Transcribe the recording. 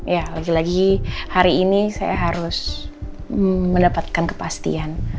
ya lagi lagi hari ini saya harus mendapatkan kepastian